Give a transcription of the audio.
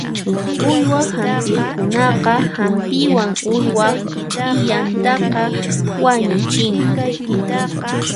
Uywa hampiqkunaqa hampiwan uywaq ch'iyantaqa wañuchinku.